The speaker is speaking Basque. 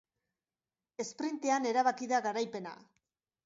Esprintean erabaki da garaipena.